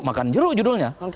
bahkan jeruk judulnya